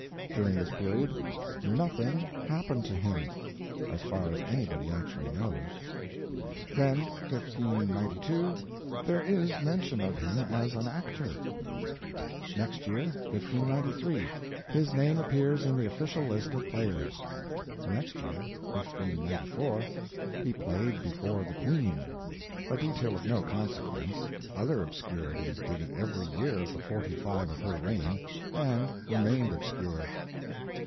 During this period nothing happened to him, as far as anybody actually knows. Then—1592—there is mention of him as an actor. Next year—1593—his name appears in the official list of players. Next year—1594—he played before the queen. A detail of no consequence: other obscurities did it every year of the forty five of her reign. And remained obscure.